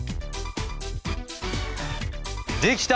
できた！